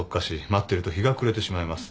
待ってると日が暮れてしまいます。